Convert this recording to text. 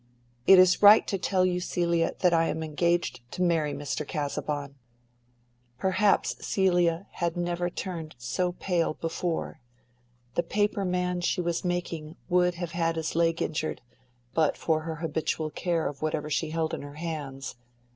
"It is right to tell you, Celia, that I am engaged to marry Mr. Casaubon." Perhaps Celia had never turned so pale before. The paper man she was making would have had his leg injured, but for her habitual care of whatever she held in her hands.